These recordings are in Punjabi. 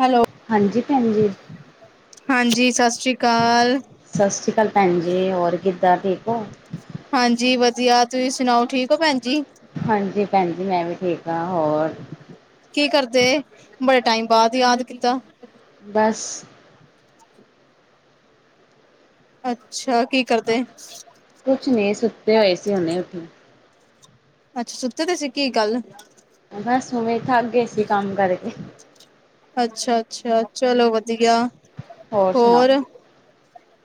ਹੈਲੋ! ਹਾਂਜੀ, ਭੈੰਜੀ। ਹਾਂਜੀ, ਸਤਿ ਸ੍ਰੀ ਕਾਲ। ਸਤਿ ਸ੍ਰੀ ਕਾਲ ਭੈਂਜੀ, ਹੋਰ ਕਿੱਦਾਂ ਠੀਕ ਹੋ? ਹਾਂਜੀ, ਵਦੀਆ। ਤੁਸੀਂ ਸੁਣਾਓ, ਠੀਕ ਹੋ ਭੈਣ ਜੀ? ਹਾਂਜੀ ਪੈਂਨਜੀ, ਮੈਂ ਵੀ ਠੀਕ ਆਂ। ਹੋਰ ਕੀ ਕਰਦੇ? ਬੜੇ ਟਾਈਮ ਬਾਦ ਯਾਦ ਕੀਤਾ। ਬਸ ਅੱਛਾ‌। ਕੀ ਕਰਦੇ? ਕੁਛ ਨੀ ਸੁੱਤੇ ਹੋਏ ਸੀ, ਹੁਨੇ ਉੱਠੇ ਆਂ। ਅੱਛਾ, ਸੁੱਤੇੇ ਦੇ ਸੀ। ਕੀ ਗੱਲ? ਬਸ ਐਂਵੇ, ਥੱਕ ਗਏ ਸੀ, ਕੰਮ ਕਰਕੇ। ਅੱਛਾ, ਅੱਛਾ। ਚਲੋ ਵ ਧੀਆ। ਹੋਰ,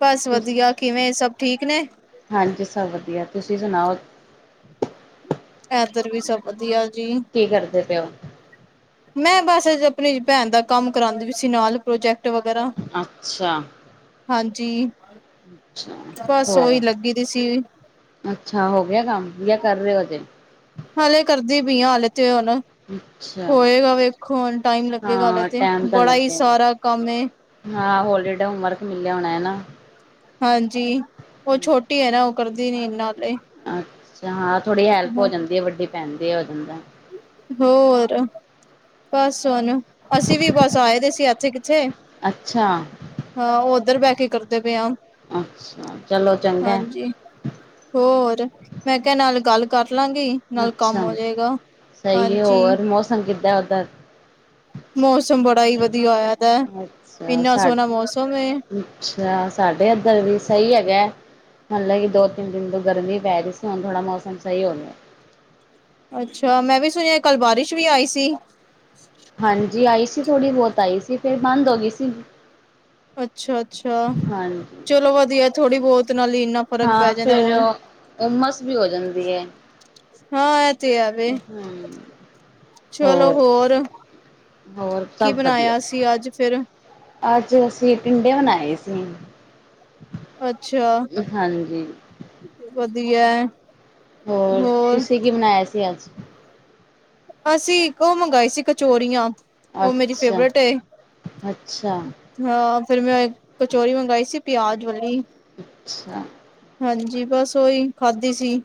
ਬਸ ਵਧੀਆ। ਕਿਵੇਂ, ਸਭ ਠੀਕ ਨੇ? ਹਾਂਜੀ, ਸਭ ਵਧੀਆ। ਤੁਸੀ ਸੁਣਾਓ? ਐਧਰ ਵੀ ਸਭ ਵਧੀਆ ਜੀ। ਕੀ ਕਰਦੇ ਪੇ ਓ? ਮੈਂ ਬਸ ਅੱਜ ਆਪਣੀ ਭੈਣ ਦਾ ਕੰਮ ਕਰਾਂਦੀ ਪੀ ਸੀ ਨਾਲ, ਪ੍ਰੋਜੈਕਟ ਵਗੈਰਾ। ਅੱਛਾ। ਹਾਂਜੀ, ਅੱਛਾ ਬਸ ਓਈ ਹੋਰ ਲੱਗੀ ਦੀ ਸੀ। ਅੱਛਾ, ਹੋ ਗਿਆ ਕੰਮ, ਯਾ ਕਰ ਰੇ ਓ ਅਜੇ? ਹਾਲੇ ਕਰਦੀ ਪੀ ਆਂ, ਹਾਲੇ ਤੇ ਹੁਨ ਅੱਛਾ ਹੋਏਗਾ ਵੇਖੋ। ਹੁਣ ਟਾਈਮ ਲੱਗੇਗਾ ਹਾਲੇ ਹਾਂ ਤੇ, ਟਾਈਮ ਤਾਂ ਬੜਾ ਈ ਲੱਗਿਆ ਸਾਰਾ ਕੰਮ ਏ। ਹਾਂ, ਹੋਲੀਡੇਡ ਹੋਮਵਰਕ ਮਿਲਿਆ ਹੋਨੈ ਨਾ। ਹਾਂਜੀ, ਓ ਛੋਟੀ ਏ ਨਾ, ਓ ਕਰਦੀ ਨੀ ਨਾਲੇ। ਅੱਛਾ, ਹਾਂ ਥੋੜੀ ਹੈਲਪ ਹੋ ਜਾਂਦੀ ਏ, ਵੱਡੀ ਭੈਣ ਜੇ, ਏ ਹੋ ਜਾਂਦੈ। ਹੋਰ, ਬਸ ਹੁਣ ਅਸੀ ਵੀ ਬਸ ਆਏਦੇ ਸੀ, ਐੱਥੇ-ਕਿੱਥੇ ਅੱਛਾ! ਹਾਂ, ਓਧਰ ਬੈ ਕੇ ਕਰਦੇ ਪਏ ਆਂ, ਅੱਛਾ ਚਲੋ ਚੰਗਾ ਹਾਂਜੀ। ਹੋਰ, ਮੈਂ ਕਿਆ ਨਾਲ ਗੱਲ ਕਰ ਲਾਂਗੀ, ਨਾਲ ਕੰਮ ਹੋਜੇਗਾ। ਸਈ ਏ। ਹੋਰ ਮੌਸਮ ਕਿੱਦਾਂ ਓਧਰ? ਮੌਸਮ ਬੜਾ ਈ ਵਧੀਆ ਹੋਇਆ ਦੈ, ਅੱਛਾ ਇੰਨਾ ਸਾ ਸੋਹਣਾ ਮੌਸਮ ਏ। ਅੱਛਾ, ਸਾਡੇ ਏੱਧਰ ਵੀ ਸਈ ਹੈਗੈ। ਹਾਲੇ ਕਿ ਦੋ-ਤਿੰਨ ਦਿਨ ਤੋਂ ਗਰਮੀ ਪੈ ਰੀ ਸੀ, ਹੁਣ ਥੋੜਾ ਮੌਸਮ ਸਈ ਹੋ ਗਿਐ। ਅੱਛਾ, ਮੈਂ ਵੀ ਸੁਣਿਐ ਕੱਲ ਬਾਰਿਸ਼ ਵੀ ਆਈ ਸੀ। ਹਾਂਜੀ, ਆਈ ਸੀ ਥੋੜੀ ਬੋਤ ਆਈ ਸੀ ਫੇਰ ਬੰਦ ਹੋ ਗੀ ਸੀ। ਅੱਛਾ-ਅੱਛਾ, ਹਾਂਜੀ। ਚਲੋ ਵਧੀਐ। ਥੋੜੀ ਬੋਤ ਨਾਲ ਇੰਨਾ ਫ਼ਰਕ ਪੈ ਹਾਂ, ਜਾਂਦਾ ਫੇਰ ਮੋਲ ਓ ਉੱਮਸ ਵੀ ਹੋ ਜਾਂਦੀ ਏ। ਹਾਂ, ਐ ਤੇ ਹੈ ਵੇ। ਹਮ ਚਲੋ ਹੋਰ, ਹੋਰ ਕੀ ਸਭ ਵਧੀਆ। ਬਣਾਏਆ ਸੀ ਅੱਜ ਫੇਰ? ਅੱਜ ਅਸੀ ਟਿੰਡੇ ਬਣਾਏ ਸੀ। ਅੱਛਾ, ਹਾਂਜੀ ਵਧੀਐ। ਹੋਰ, ਤੁਸੀ ਕੀ ਬਨਾਏਆ ਸੀ ਅੱਜ? ਅਸੀ, ਇੱਕ ਓ ਮੰਗਾਈ ਸੀ ਕਚੋਰੀਆਂ। ਓ ਮੇਰੀ ਅੱਛਾ, ਫੇਵਰੇਟ ਏ। ਅੱਛਾ, ਹਾਂ ਫੇਰ ਮੈਂ ਕਚੋਰੀ ਮੰਗਵਾਈ ਸੀ ਪਿਆਜ ਵਾਲੀ। ਅੱਛਾ। ਹਾਂਜੀ ਬਸ ਓਈ ਖਾਧੀ ਸੀ।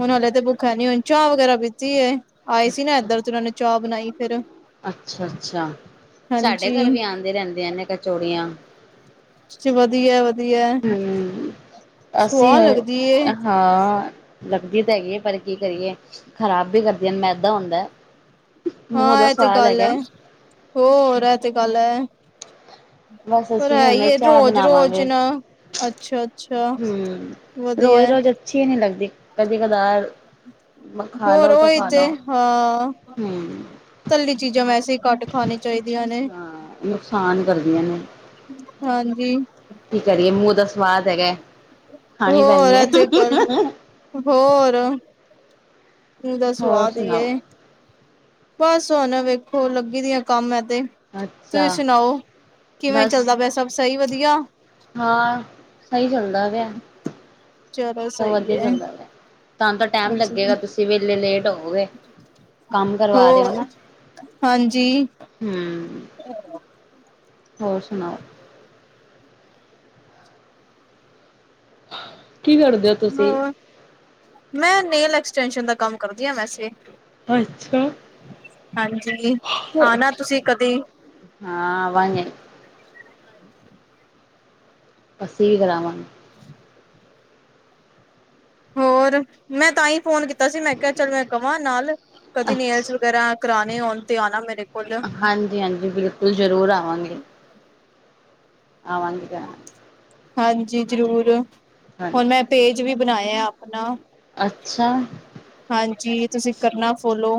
ਹੁਣ ਹਾਲੇ 'ਤੇ ਭੁੱਖ ਹੈ ਨੀ, ਹੂਨ ਚਾਅ ਵਗੈਰਾ ਪੀਤੀ ਏ। ਆਏ ਸੀ ਨਾ ਏਧਰ ਤੇ ਓਨਾਂ ਨੇ ਚਾਅ ਬਨਾਈ ਫੇਰ। ਅੱਛਾ-ਅੱਛਾ। ਸਾਡੇ ਘਰ ਹਾਂਜੀ ਵੀ ਆਂਦੇ ਰੈਂਦੀਆਂ ਨੇ ਕਚੋੜੀਆਂ। ਵਦੀਆ ਐ ਵਦੀਆ ਐ, ਹੂੰ ਅਸੀਂ ਸੁਆ ਲੱਗਦੀ ਏ। ਹਾਂ, ਲੱਗਦੀ ਤੇ ਹੈਗੀ ਏ ਪਰ ਕੀ ਕਰੀਏ ਖ਼ਰਾਬ ਬੀ ਕਰਦੀਆਨ ਮੈਦਾ ਹੋਂਦੈ। ਹਾਂ ਐ ਤੇ ਗੱਲ ਐ, ਹੋਰ ਐ ਤੇ ਗੱਲ ਐ। ਬਸ ਪਰ ਅਸੀਂ ਵੀ ਹੈ ਈ ਹੁਨੇ ਏ ਚਾਹ ਰੋਜ-ਰੋਜ ਬਣਾਵਾਂਗੇ ਨਾਂ ਅੱਛਾ-ਅੱਛਾ, ਹੂੰ। ਵਦੀਆ ਐ। ਰੋਜ਼-ਰੋਜ਼ ਅੱਛੀ ਨੀ ਲੱਗਦੀ ਕਦੀ ਕਦਾਰ ਖਾ ਹੋਰ ਲਓ ਤਾਂ ਓਈ ਖਾ ਤੇ, ਲਓ। ਹਾਂ। ਹੂੰ ਤੱਲੀ ਚੀਜ਼ਾਂ ਵੈਸੇ ਈ ਘੱਟ ਖਾਨੀ ਚਾਈਦੀਆਂ ਨੇ। ਹਾਂ ਨੁਕਸਾਨ ਕਰਦੀਆਂ ਨੇ। ਹਾਂਜੀ ਕੀ ਕਰੀਏ ਮੂੰਹ ਦਾ ਸਵਾਦ ਹੈਗੈ। ਖਾਣੀ ਹੋਰ ਪੈਂਦੀ ਇਹ ਤੇ ਗੱਲ ਐ। ਹੋਰ। ਮੂੰਹ ਦਾ ਹੋਰ ਸਵਾਦ ਈ ਸੁਣਾਓ ਏ, ਬਸ ਹੋਨ ਵੇਖੋ ਲੱਗੀ ਦੀਆਂ ਕੰਮ ਮੈ ਤੇ। ਅੱਛਾ ਤੁਸੀਂ ਸੁਨਾਓ, ਕਿਵੇਂ ਬਸ ਚੱਲਦਾ ਪੇਆ ਸਬ ਸਈ ਵਦੀਆ? ਹਾਂ, ਸਈ ਚੱਲਦਾ ਪੇਆ, ਚਲੋ ਸਬ ਸਹੀ ਵਦੀਆ ਹੈ ਚੱਲਦਾ ਪੇਆ। ਤਾਂਨ ਤਾਂ ਟੈਮ ਲੱਗੇਗਾ ਤੁਸੀਂ ਵੇਲੇ ਲੇਟ ਹੋਵੋਗੇ, ਕਾੰਮ ਕਰਵਾ ਰੇ ਓ ਹੋਰ ਨਾ। ਹਾਂਜੀ। ਹੂੰ। [inaudible] ਹੋਰ ਸੁਣਾਓ? ਕੀ ਕਰਦੇ? ਤੁਸੀਂ ਹੋਰ, ਮੈਂ ਨੇਲ ਐਕਸਟੈਂਸ਼ਨ ਦਾ ਕੰਮ ਕਰਦੀ ਆ ਵੈਸੇ। ਅੱਛਾ! ਹਾਂਜੀ, ਆਨਾ ਤੁਸੀਂ ਕਦੀ। ਹਾਂ, ਆਵਾਂਗੇ। ਅੱਸੀ ਵੀ ਕਰਾਵਾਂਗੇ। ਹੋਰ, ਮੈਂ ਤਾਂ ਈ ਫੋਨ ਕੀਤ ਤਾ ਸੀ ਮੈਂ ਕੇਆ ਚਲ ਮੈਂ ਕਵਾ ਨਾਲ, ਕਦੀ ਨੇਲਸ ਅੱਛਾ ਵਗੈਰਾ ਕਰਾਨੇ ਹੋਣ 'ਤੇ ਆਨਾ ਮੇਰੇ ਕੋਲ। ਹਾਂਜੀ-ਹਾਂਜੀ, ਬਿਲਕੁਲ ਜਰੂਰ ਆਵਾਂਗੇ। ਆਵਾਂਗੇ ਭੈਣ। ਹਾਂਜੀ ਜਰੂਰ, ਹਾਂਜੀ ਹੋਨ ਮੈਂ ਪੇਜ ਵੀ ਬਨਾਏਆ ਆਪਨਾ ਅੱਛਾ! ਹਾਂਜੀ, ਤੁਸੀਂ ਕਰਨਾ ਫੋਲੋ।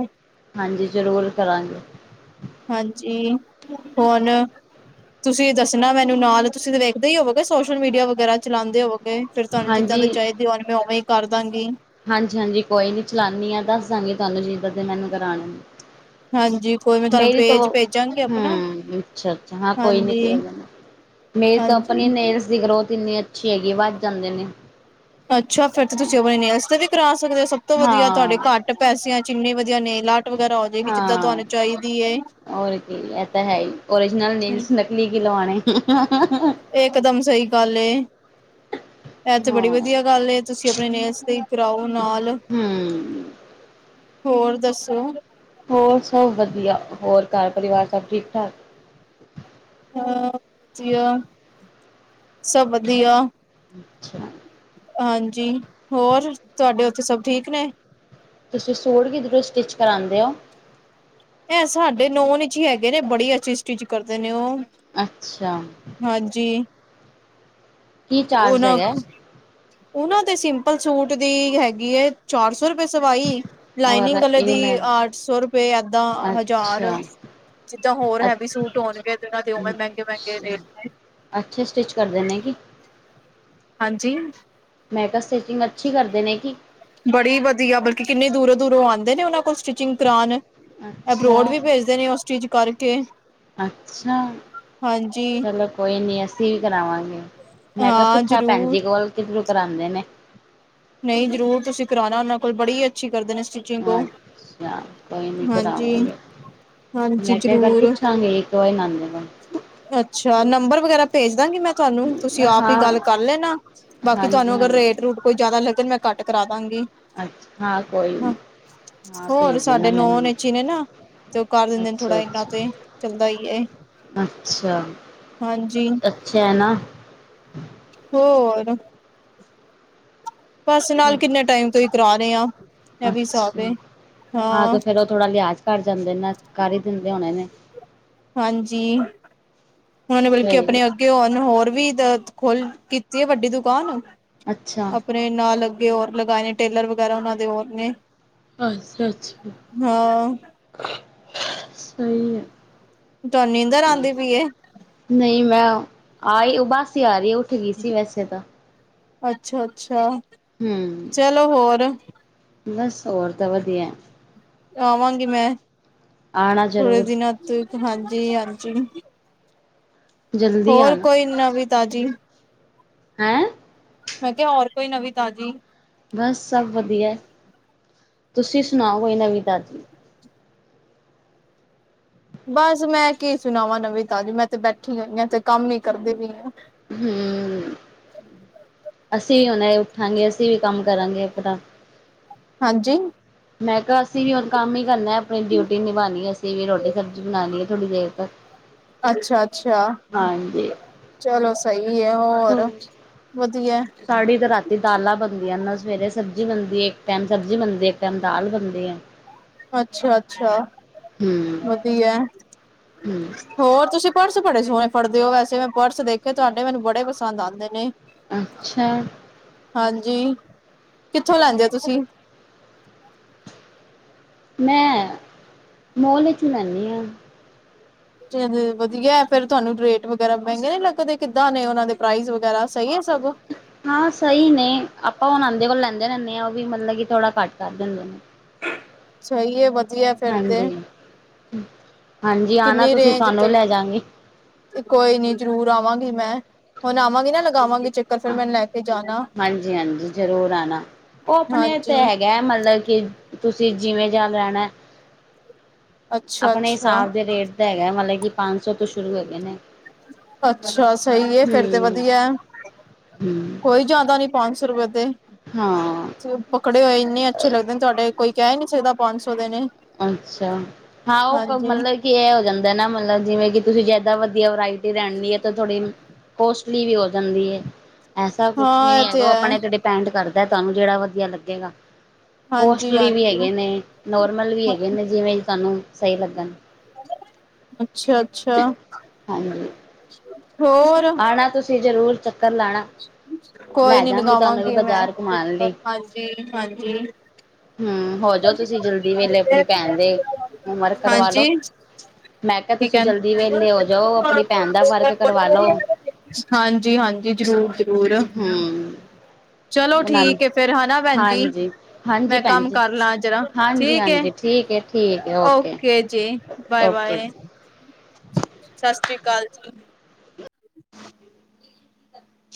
ਹਾਂਜੀ ਜਰੂਰ ਕਰਾਂਗੇ। ਹਾਂਜੀ, ਹੋਨ ਤੁਸੀਂ ਦੱਸਨਾ ਮੈਨੂੰ ਨਾਲ ਤੁਸੀਂ ਤੇ ਵੇਖਦੇ ਈ ਹੋਵੋਗੇ ਸੋਸ਼ਲ ਮੀਡੀਆ ਵਗੈਰਾ ਚਲਾਂਦੇ ਹੋਵੋ ਗੇ ਫੇਰ ਤੁਆਨੂੰ ਜਿੱਦਾਂ ਦੇ ਹਾਂਜੀ ਚਾਈਦੇ ਹੋਨ ਮੈਂ ਓਵੇਂ ਈ ਕਰਦਾਂਗੀ। ਹਾਂਜੀ-ਹਾਂਜੀ ਕੋਈ ਨੀ ਚਲਾਨੀ ਆ ਦੱਸ ਦਾਂਗੀ ਥਾਨੂੰ ਜਿੱਦਾਂ ਦੇ ਮੈਨੂੰ ਕਰਾਣੇ ਨ। ਹਾਂਜੀ ਕੋਈ ਮੈਂ ਤੁਹਾਨੂੰ ਮੇਰੀ ਤੋਂ, ਪੇਜ ਭੇਜਾਂਗੀ ਆਪਣਾ ਹੂੰ ਅੱਛਾ-ਅੱਛਾ ਹਾਂ ਕੋਈ ਨੀ ਹਾਂਜੀ ਕੈ ਦੇਨਾ। ਮੇਰ ਤਾਂ ਅਪਨੇ ਹਾਂਜੀ ਨੇੇਲਸ ਦੀ ਗਰੋਥ ਇੰਨੀ ਅੱਛੀ ਹੈਗੀ ਏ ਵੱਦ ਜਾਂਦੇ ਨੇ‌। ਅੱਛਾ, ਫੇਰ ਤੇ ਤੁਸੀ ਅਪਣੇ ਨੇਲਸ ਤੇ ਵੀ ਕਰਾ ਸਕਦੇ ਓ ਸਬ ਤੋਂ ਵਦੀਆ ਤੁਹਾਡੇ ਹਾਂ ਘਾੱ ਟ ਪੈਸੇਆਂ 'ਚ ਇੰਨੀ ਵਦੀਆ ਨੇਲ ਆਰਟ ਵਗੈਰਾ ਹੋ ਜੇਗੀ ਜਿੱਦਾਂ ਹਾਂ ਤੁਆਨੂੰ ਚਾਈਦੀ ਏ। ਔਰ ਕੀ ਐ ਤਾਂ ਹੈ ਈ, ਓਰਜਨਲ ਨੇਲਸ ਨਕਲੀ ਕੀ ਲਵਾਣੇ। ਏਕਦਮ ਸਈ ਗਾੱਲ ਏ। ਐ ਤੇ ਹਾਂ ਬੜੀ ਵਦੀਆ ਗਾੱਲ ਏ ਤੁਸੀਂ ਆਪਣੇ ਨੇਲਸ ਤੇ ਈ ਕਰਾਓ ਨਾਲ। ਹੂੰ ਹੋਰ ਦੱਸੋ ਹੋਰ ਸਬ ਵਦੀਆ। ਹੋਰ ਘਰ ਪਰਿਵਾਰ ਸਬ ਠੀਕ-ਠਾਕ? ਹਾਂ ਵਦੀਆ, ਸਭ ਵਦੀਆ। ਅੱਛਾ। ਹਾਂਜੀ, ਹੋਰ ਤਵਾਡੇ ਓਥੇ ਸਭ ਠੀਕ ਨੇ? ਤੁਸੀਂ ਸੂਟ ਕਿਧਰੋਂ ਸਟਿੱਚ ਕਰਾਂਦੇ ਓ? ਐ ਸਾਡੇ ਨੋਨ ਇੱਚ ਈ ਹੈਗੇ ਨੇ, ਬੜੀ ਅੱਛੀ ਸਟਿੱਚ ਕਰਦੇ ਨੇ ਓਹ। ਅੱਛਾ। ਹਾਂਜੀ। ਕੀ ਤੇ ਚਾਰਜ ਓਨਾਂ ਹੈਗਾ ਉਨ੍ਹਾਂ ਦੇ ਸਿੰਪਲ ਸੂਟ ਦੀ ਹੈਗੀ ਏ ਚਾਰ ਸੌ ਰੁਪਏ ਸਵਾਈ। ਔਰ ਲਾਈਨਿੰਗ ਆਲੇ ਇਹ ਦੀ ਮੈਂ ਅੱਠ ਸੌ ਰੁਪਏ, ਏਦਾਂ ਹਜਾਰ ਅੱਛਾ ਜਿੱਦਾਂ ਹੋਰ ਹੈਵੀ ਅੱਛਾ ਸੂਟ ਹੋਨਗੇ ਤੇ ਓਨਾਂ ਦੇ ਓਵੇਂ ਮੈਂਗੇ-ਮੈਂਗੇ ਰੇਟ ਨੇ। ਅੱਛੇ ਸਟਿੱਚ ਕਰਦੇ ਨੇ ਕੀ? ਹਾਂਜੀ? ਮੈਂ ਕਿਆ ਸਟਿਚਿੰਗ ਅੱਛੀ ਕਰਦੇ ਨੇ ਕੀ? ਬੜੀ ਵਦੀਆ, ਬਲਕਿ ਕਿੰਨੀ ਦੂਰੋਂ-ਦੂਰੋਂ ਆਂਦੇ ਨੇ ਓਨ੍ਹਾਂ ਕੋਲ ਸਟਿਚਿੰਗ ਕਰਾਨ। ਅੱਛਾ ਐਬਰੋਡ ਵੀ ਭੇਜਦੇ ਨੇ ਓਹ ਸਟਿੱਚ ਕਰਕੇ ਅੱਛਾ ਹਾਂਜੀ। ਚਲੋ ਕੋਈ ਨੀ ਅਸੀਂ ਵੀ ਕਰਾਵਾਂਗੇ। ਮੈਂ ਕਿਆ ਹਾਂ ਪੁੱਛਾਂ ਜ਼ਰੂਰ ਭੈਨਜੀ ਕੋਲ ਕਿਦਰੋਂ ਕਰਾਂਦੇ ਨੇ। ਨਈਂ ਜਰੂਰ ਤੁਸੀਂ ਕਰਾਨਾ ਉਨ੍ਹਾਂ ਕੋਲ ਬੜੀ ਅੱਛੀ ਕਰਦੇ ਨੇ ਸਟਿੱਚ ਅੱਛਾ, ਕੋਈ ਨੀ ਹਾਂਜੀ ਕਰਾਵਾਂਗੇ। ਹਾਂਜੀ ਮੈਂ ਕਿਆ ਇਕ ਵਾਰ ਜ਼ਰੂਰ ਪੁੱਛਾਂਗੇ ਇਕ ਵਾਰ ਊਨਾਂਦੇ ਕੋਲ ਅੱਛਾ, ਨੰਬਰ ਵਗੈਰਾ ਭੇਜ ਦਾਂਗੀ ਮੈਂ ਤਵਾਨੂੰ, ਤੁਸੀਂ ਆਪ ਈ ਹਾਂ ਗੱਲ ਕਰ ਲੈਨਾ, ਬਾਕੀ ਹਾਂਜੀ ਤਵਾਨੂੰ ਅਗਰ ਰੇਟ ਹਾਂਜੀ ਰੂਟ ਕੋਈ ਜਿਆਦਾ ਲੱਗਨ ਮੈਂ ਘੱਟ ਕਰਾਦਾਂਗੀ। ਅੱਛਾ ਹਾਂ ਕੋਈ ਹਾਂ ਨਹੀਂ ਹਾਂ ਹੋਰ ਭੇਜ ਸਾਡੇ ਦੇਣਾ ਨੌਨ ਮੈਨੂੰ ਇੱਚ ਈ ਨੇ ਨਾ ਤੇ ਓਹ ਕਰ ਦਿੰਦੇ ਨੇ ਥੋੜਾ, ਅੱਛਾ ਇੰਨਾ ਤੇ ਅੱਛਾ ਚੱਲਦਾ ਈ ਏ ਅੱਛਾ, ਅੱਛਾ ਹੈ ਨਾ। ਹੋਰ ਬਸ, ਨਾਲ ਕਿੰਨੇ ਟਾਈਮ ਤੋਂ ਈ ਕਰਾ ਰਏ ਆਂ। ਏਹ ਵੀ ਹਿਸਾਬ ਅੱਛਾ ਏ, ਹਾਂ। ਤੇ ਫੇਰ ਉਹ ਥੋੜਾ ਲਿਆਜ ਘਰ ਜਾਂਦੇ ਨੇ ਨਾ, ਕਰ ਹੀ ਦਿੰਦੇ ਹੋਣੇ ਨੇ ਹਾਂਜੀ। ਹੁਨ ਐਨੇ ਬਲਕਿ ਸਹੀ ਹੈ ਆਪਨੇ ਅੱਗੇ ਹੁਨ ਹੋਰ ਵੀ ਦ ਖੋਲ ਕੀਤੀ ਏ ਵੱਡੀ ਦੁਕਾਨ ਅੱਛਾ ਨੇ ਨਾਲ ਅੱਗੇ ਹੋਰ ਲਗਾਏ ਨੇ ਟੇਲਰ ਵਗੈਰਾ ਓਨਾਂ ਦੇ ਹੋਰ ਨੇ? ਅੱਛਾ-ਅੱਛਾ, ਹਾਂ ਸਈ ਏ। ਤੁਆਨ ਨੀਂਦਰ ਆਂਦੀ ਪਈ ਏ? ਨਈ ਮੈਂ ਆਈ ਉਬਾਸੀ ਆ ਰਈ ਏ ਉੱਠ ਗਈ ਸੀ ਵੈਸੇ ਤਾਂ ਅੱਛਾ-ਅੱਛਾ। ਹੂੰ, ਬਸ ਹੋਰ ਤਾਂ ਵਦੀਐ। ਆਵਾਂਗੀ ਮੈਂ, ਆਉਣਾ ਥੋੜੇ ਜ਼ਰੂਰ ਦਿਨਾਂ ਤੀਕ, ਹਾਂਜੀ-ਹਾਂਜੀ। ਜਲਦੀ ਹੋਰ ਆਣਾ ਕੋਈ ਨਵੀਂ ਤਾਜ਼ੀ? ਐ ਮੈਂ ਕਿਆ ਹੋਰ ਕੋਈ ਨਵੀਂ ਤਾਜ਼ੀ? ਬਸ ਸਬ ਵਧੀਆ, ਤੁਸੀਂ ਸੁਣਾਓ ਕੋਈ ਨਵੀਂ ਤਾਜੀ। ਬਸ ਮੈਂ ਕੀ ਸੁਣਾਵਾਂ ਨਵੀ ਤਾਜੀ ਮੈਂ ਤੇ ਬੈਠੀਆ ਮੈ ਤੇ ਕੰਮ ਈ ਕਰਦੀ ਪੀ ਆ। ਹੂੰ ਅਸੀਂ ਵੀ ਹੁਣੇ ਉੱਠਾਂਗੇ, ਅਸੀਂ ਵੀ ਕੰਮ ਕਰਾਂਗੇ ਆਪਣਾ। ਹਾਂਜੀ ਮੈਂ ਕਿਆ ਅਸੀਂ ਵੀ ਹੁਣ ਕੰਮ ਈ ਕਰਨਾ ਆਪਣੀ ਡਿਊਟੀ ਨਿਭਾਣੀ ਐ ਅਸੀਂ ਵੀ ਰੋਟੀ ਸਬਜ਼ੀ ਬਣਾਣੀ ਐ ਥੋੜ੍ਹੀ ਦੇਰ ਤੱਕ। ਅੱਛਾ ਅੱਛਾ। ਹਾਂਜੀ ਚਲੋ ਸੇਈਐ ਹੋਰ, ਵਧੀਆ ਤੇ ਦਾਲਾਂ ਬਣਦੀਆਂ ਨਾ ਸਵੇਰੇ ਸਬਜ਼ੀ ਬਣਦੀ ਏ। ਇੱਕ ਟੈਮ ਸਬਜ਼ੀ ਬਣਦੀ ਇੱਕ ਟੈਮ ਦਾਲ ਬਣਦੀ ਏ। ਅੱਛਾ- ਅੱਛਾ, ਹਮ ਵਧੀਆ। ਹਮ ਹੋਰ ਤੁਸੀਂ ਪਰਸ ਬੜੇ ਸੋਣੇ ਫੜਦੇ ਓ ਵੈਸੇ। ਮੈਂ ਪਰਸ ਦੇਖੇ ਤੁਆਡੇ ਮੈਨੂੰ ਬੜੇ ਪਸੰਦ ਆਂਦੇ ਨੇ। ਅੱਛਾ। ਹਾਂਜੀ, ਕਿੱਥੋਂ ਲੈਂਦੇ ਓ ਤੁਸੀਂ? ਮੈਂ, ਮੋਲ ਵਿੱਚੋ ਲੈਣੀ ਆਂ। ਵਧੀਆ ਫੇਰ ਤੁਆਨੂੰ ਰੇਟ ਵਗੈਰਾ ਮੈਂਗੇ ਨੀ ਲੱਗਦੇ। ਕਿੱਦਾਂ ਨੇ ਓਨਾਂ ਦੇ ਪ੍ਰਾਈਜ਼ ਵਗੈਰਾ ਸ‌ਈ ਏ ਸਭ। ਹਾਂ ਸ‌ਈ ਨੇ, ਆਪਾਂ ਹੁਣ ਐਦੇ ਕੋਲ ਲੈਂਦੇ ਰੈਂਦੇ ਆਂ ਓ ਵੀ ਮਲਬ ਕੀ ਥੋੜਾ ਘੱਟ ਕਰ ਦਿੰਦੇ ਨੇ। ਸ‌ਈ ਏ ਵਧੀਆ ਫੇਰ ਤੇ। ਹਾਂਜੀ ਹਾਂਜੀ ਆਨਾ ਕਿੰਨੀ ਤੁਸੀਂ ਰੇਂਜ ਤੁਆਨੂੰ ਵੀ ਲੈ ਜਾਂਗੀ। ਕੋਈ ਨੀ ਜਰੂਰ ਆਵਾਂਗੀ ਮੈਂ। ਹੁਣ ਆਵਾਂਗੀ ਨਾ ਲਗਾਵਾਂਗੀ ਚਕ- ਅ, ਹਾਂਜੀ ਹਾਂਜੀ ਜ਼ਰੂਰ ਆਣਾ, ਓ ਆਪਣੇ ਤੇ ਹਾਂਜੀ ਹੈ- ਗਾ, ਮਲਬ ਕੀ ਤੁਸੀਂ ਜਿਵੇਂ ਜਾ ਲੈਣਾ ਅੱਛਾ ਆਪਣੇ ਅੱਛਾ ਹਿਸਾਬ ਦੇ ਰੇਟ ਦਾ ਹੈਗਾ। ਮਲਬ ਕੀ ਪੰਜ ਸੌ ਤੋਂ ਸ਼ੁਰੂ ਹੈਗੇ ਨੇ। ਅੱਛਾ ਸ‌ਈ ਏ ਫੇਰ ਤੇ ਹੂੰ ਵਧੀਆ ਐ। ਹੂੰ ਕੋਈ ਜਾਦਾ ਨੀ ਪੰਜ ਸੌ ਰੁਪਏ ਹਾਂ ਤੇ। ਪਕੜੇ ਹੋਏ ਇੰਨੇ ਅੱਛੇ ਲੱਗਦੇ ਨੇ ਤੁਆਡੇ, ਕੋਈ ਕੈ ਨੀ ਸਕਦਾ ਪੰਜ ਸੌ ਦੇ ਨੇ। ਅੱਛਾ, ਹਾਂ ਓ ਕੋ ਹਾਂਜੀ ਮਲਬ- ਕੀ ਐ ਹੋ ਜਾਂਦਾ ਨਾ ਮਲਬ ਜਿਵੇਂ ਕੀ ਤੁਸੀਂ ਜਾਦਾ ਵਧੀਆ ਵਰਾਇਟੀ ਲੈਣੀ ਐ ਤੇ ਥੋੜੀ- ਕੋਸਟਲੀ ਵੀ ਹੋ ਜਾਂਦੀ ਏ। ਐਸਾ ਕੁਛ ਵੀ ਹਾਂ ਨੀ ਇਹ ਹੈਗਾ ਹੈ ਆਪਣੇ ਤੇ ਡਿਪੈ- ਪੈਂਡ ਕਰਦਾ, ਤਾਨੂੰ ਜੇੜਾ ਵਧੀਆ ਲੱਗੇਗਾ। ਹਾਂਜੀ ਕੋਸਟਲੀ ਵੀ ਹੈਗੇ ਹਾਂਜੀ ਨੇ। ਨੋਮਲ ਵੀ ਹੈਗੇ ਨੇ ਜਿਵੇਂ ਕੀ ਤਾਨੂੰ ਸ‌ਈ ਲੱਗਣ। ਅੱਛਾ -ਅੱਛਾ। ਹਾਂਜੀ ਹੋਰ ਆਣਾ ਤੁਸੀਂ ਜ਼ਰੂਰ ਚੱਕਰ ਲਾਣਾ। ਕੋਈ ਲੈ ਨੀ ਜਾਗੇ ਤੁਹਾਨੂੰ ਵੀ ਲਗਾਵਾਂਗੀ ਮੈਂ ਬਾਜ਼ਾਰ ਘੁਮਾਣ ਚੱਕਰ, ਲਈ ਹਾਂਜੀ -ਹਾਂਜੀ। ਹੂੰ ਹੋਜੋ ਤੁਸੀਂ ਜਲਦੀ ਵੇਲੇ, ਆਪਣੀ ਹਾਂਜੀ ਭੈਣ ਦੇ ਹੋਮ ਵਰਕ ਕਰਵਾ ਲੋ। ਹਾਂਜੀ ਮੈਂ ਕਿਆ ਕੀ ਤੁਸੀਂ ਕਹਿੰਦੇ ਜਲਦੀ ਵੇਲੇ ਹੋ ਜਓ। ਆਪਣੀ ਭੈਣ ਦਾ ਵਰਕ ਕਰਵਾਲੋ। ਹਾਂਜੀ- ਹਾਂਜੀ ਜ਼ਰੂਰ ਜੀ। ਹੂੰ ਚਲੋ [unintelligible] ਠੀਕ ਏ ਫੇਰ ਹਨਾ ਭੈਣ ਜੀ ਹਾਂਜੀ -ਹਾਂਜੀ ਮੈਂ ਭੈਣ ਕੰਮ ਜੀ, ਕਰ ਲਾਂ ਜਰਾ ਹਾਂਜੀ ਠੀਕ ਏ -ਹਾਂਜੀ ਠੀਕ ਏ। ਠੀਕ ਏ ਓਕੇ, ਓਕੇ ਜ- ਸਸਰੀ ਕਾਲ ਜੀ।